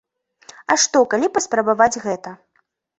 А што калі паспрабаваць гэта?